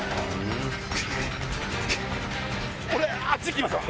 俺あっち行きますわ。